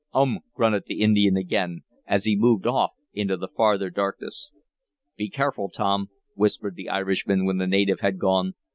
"Um!" grunted the Indian again, as he moved off into the farther darkness. "Be careful, Tom," whispered the Irishman, when the native had gone.